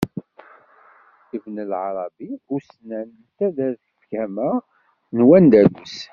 Ibn Ɛarabi; ussnan n taderfgama n wandalus.